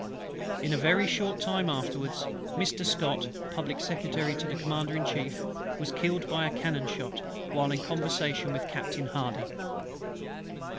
In a very short time afterwards, Mr. SCOTT, Public Secretary to the Commander in Chief, was killed by a cannon shot while in conversation with Captain HARDY.